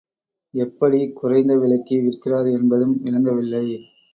எப்படிக் குறைந்த விலைக்கு விற்கிறார் என்பதும் விளங்கவில்லை.